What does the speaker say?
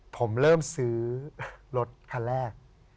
ผมเริ่มซื้อรถคันแรก